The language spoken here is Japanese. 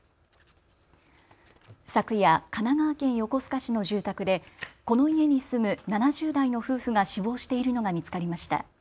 昨夜、神奈川県横須賀市の住宅でこの家に住む７０代の夫婦が死亡しているのが見つかりました。